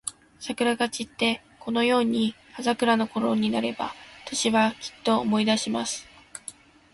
桜が散って、このように葉桜のころになれば、私は、きっと思い出します。